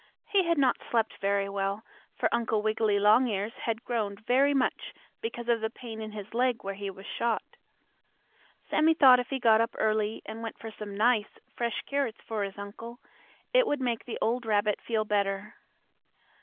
He had not slept very well, for Uncle Wiggily Longears had groaned very much because of the pain in his leg where he was shot. Sammie thought if he got up early, and went for some nice, fresh carrots for his uncle, it would make the old rabbit feel better.